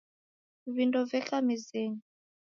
Vindo veka mezenyi.